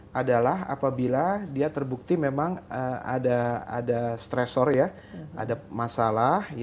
yang adalah apabila dia terbukti memang ada stressor ya ada masalah